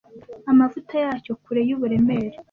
amavuta yacyo kure yuburemere